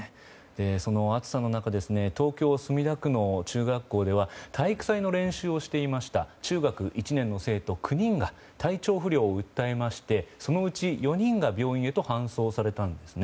その暑さの中東京・墨田区の中学校では体育祭の練習をしていました中学１年の生徒９人が体調不良を訴えましてそのうち４人が病院に搬送されたんですね。